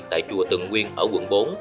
tại chùa tường nguyên ở quận bốn